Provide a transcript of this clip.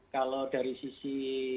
kalau dari sisi